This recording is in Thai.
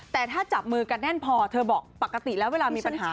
แต่ถ้าจับมือกันแน่นพอเธอบอกปกติแล้วเวลามีปัญหา